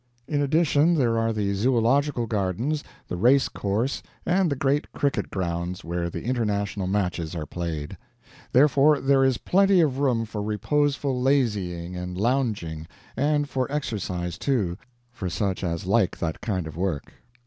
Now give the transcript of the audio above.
In addition, there are the zoological gardens, the race course, and the great cricket grounds where the international matches are played. Therefore there is plenty of room for reposeful lazying and lounging, and for exercise too, for such as like that kind of work.